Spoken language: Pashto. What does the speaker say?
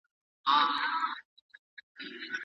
زوم ولي د ډوډۍ د توزیع محلونو ته نه ورځي؟